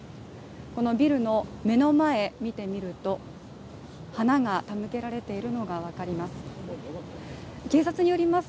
このビルの目の前見てみると、花が手向けられているのがわかります。